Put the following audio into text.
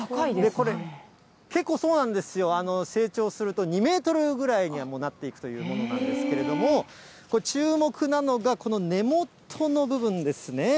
これ、結構そうなんですよ、成長すると２メートルぐらいにはなっていくというものなんですけれども、注目なのが、この根元の部分ですね。